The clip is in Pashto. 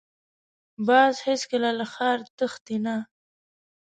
باز هېڅکله له ښکار تښتي نه